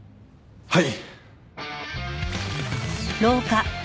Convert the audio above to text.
はい。